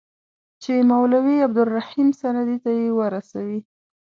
چي مولوي عبدالرحیم سندي ته یې ورسوي.